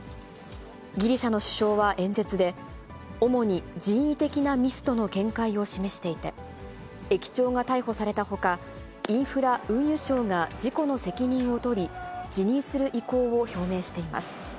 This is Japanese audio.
ギリシャの首相は演説で、主に人為的なミスとの見解を示していて、駅長が逮捕されたほか、インフラ・運輸相が事故の責任を取り、辞任する意向を表明しています。